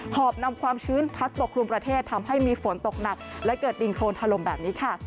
อบนำความชื้นพัดปกครุมประเทศทำให้มีฝนตกหนักและเกิดดินโครนถล่มแบบนี้ค่ะ